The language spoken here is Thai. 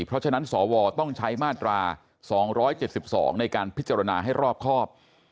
เพราะฉะนั้นสวต้องใช้มาตรา๒๗๒ในการพิจารณาให้รอบครอบ